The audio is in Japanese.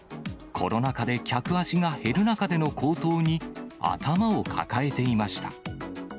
コロナ禍で客足が減る中での高騰に、頭を抱えていました。